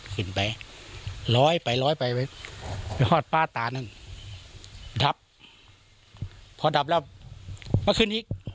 ขึ้นไปร้อยไปร้อยไปไปหอดป้าตานึงดับพอดับแล้วมาขึ้นอีก